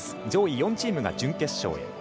上位４チームが準決勝へ。